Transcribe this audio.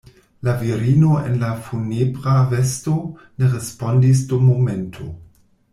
La virino en la funebra vesto ne respondis dum momento.